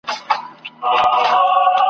سره جمع کړي ټوټې سره پیوند کړي ..